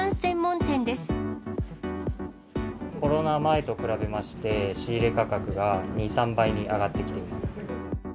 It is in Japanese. コロナ前と比べまして、仕入れ価格が２、３倍に上がってきています。